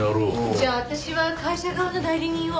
じゃあ私は会社側の代理人を。